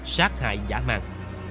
sát hại giả mạng